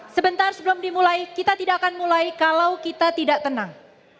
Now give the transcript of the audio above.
sebentar sebelum dimulai kita tidak akan mulai kalau kita tidak tenang